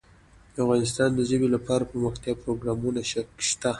افغانستان کې د ژبې لپاره دپرمختیا پروګرامونه شته.